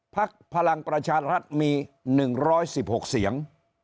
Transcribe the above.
พลังประชารัฐมี๑๑๖เสียง